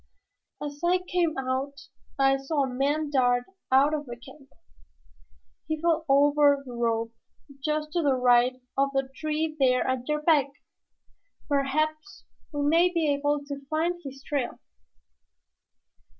"As I came out I saw a man dart out of the camp. He fell over the rope just to the right of the tree there at your back. Perhaps we may be able to find his trail."